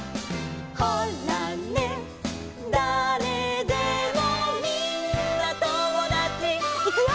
「ほらね誰でもみんなともだち」いくよ！